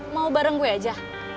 mau bareng gue aja